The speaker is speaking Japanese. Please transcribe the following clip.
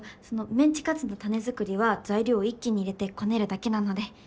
メンチカツのタネ作りは材料を一気に入れてこねるだけなので。